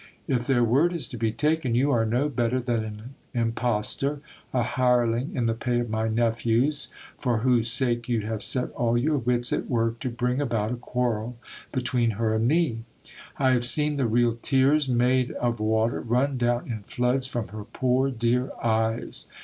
If their word is to be taken, you are no better than an impostor, a hireling in the pay of my nephews, for whose sake you have set all your wits at work to bring about a quarrel between her and me. I have seen the real tears, made of water, run down in floods from her poor dear eyes.